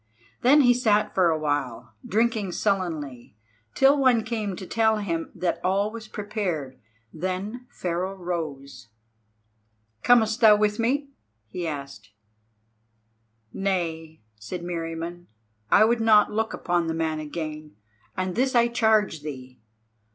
Then he sat for awhile, drinking sullenly, till one came to tell him that all was prepared. Then Pharaoh rose. "Comest thou with me?" he asked. "Nay," said Meriamun, "I would not look upon the man again; and this I charge thee.